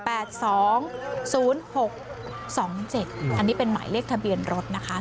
อันนี้เป็นหมายเลขทะเบียนรถนะคะ